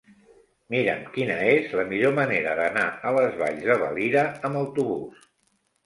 Mira'm quina és la millor manera d'anar a les Valls de Valira amb autobús.